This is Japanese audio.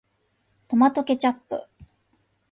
トマトケチャップ